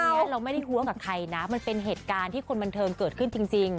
อันนี้เราไม่ได้ท้วงกับใครนะมันเป็นเหตุการณ์ที่คนบันเทิงเกิดขึ้นจริง